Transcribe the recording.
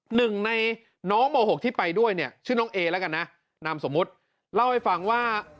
หนึ่งในน้องม๖ที่ไปด้วยเนี่ยชื่อน้องเอแล้วกันนะนามสมมุติเล่าให้ฟังว่า